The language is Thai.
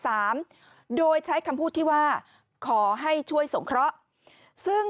โดยใช้คำพูดที่ว่าขอให้ช่วยสงเคราะห์ซึ่ง